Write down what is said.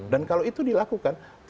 dan kalau itu dilakukan